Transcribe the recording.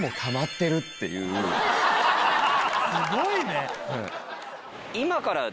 すごいね！